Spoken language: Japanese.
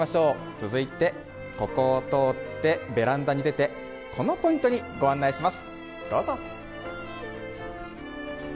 続いてベランダに出てこのポイントにご案内します。